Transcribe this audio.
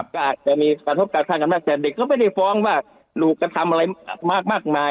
ก็อาจจะมีกระทบกระทั่งกันมากแต่เด็กก็ไม่ได้ฟ้องว่าถูกกระทำอะไรมากมาย